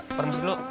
pak permisi dulu